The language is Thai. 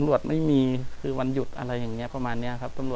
กลับมาที่สุดท้ายและกลับมาที่สุดท้าย